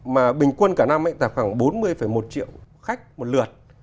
mà bình quân cả năm đạt khoảng bốn mươi một triệu khách một lượt